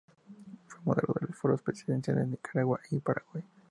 Fue moderador de Foros Presidenciales en Nicaragua y Paraguay.